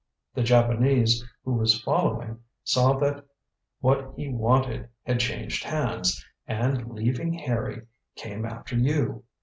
The Japanese who was following saw that what he wanted had changed hands, and leaving Harry, came after you.